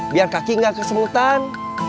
biar kaki gak kesemutan